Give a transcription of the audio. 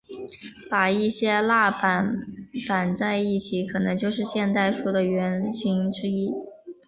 把一些蜡板绑在一起可能就是现代书的原型之一。